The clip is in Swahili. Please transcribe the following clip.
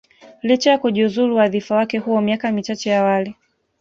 licha ya kujiuzulu wadhifa wake huo miaka michache awali